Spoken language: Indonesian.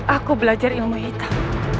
aku belajar ilmu hitam